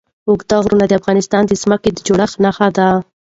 اوږده غرونه د افغانستان د ځمکې د جوړښت نښه ده.